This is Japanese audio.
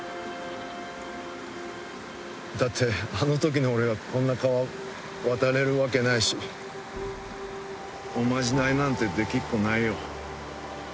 だってあのときの俺がこんな川渡れるわけないしおまじないなんてできっこないよ。